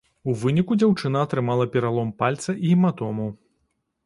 У выніку дзяўчына атрымала пералом пальца і гематому.